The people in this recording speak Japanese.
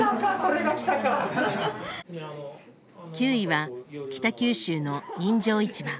９位は「北九州の人情市場」。